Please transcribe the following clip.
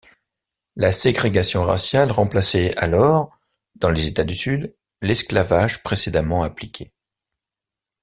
La ségrégation raciale remplaçait alors, dans les États du Sud, l'esclavage précédemment appliqué.